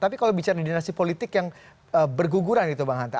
tapi kalau bicara dinasti politik yang berguguran itu bang hanta